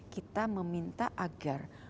kita meminta agar